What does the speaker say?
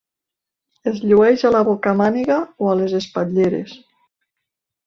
Es llueix a la bocamàniga o a les espatlleres.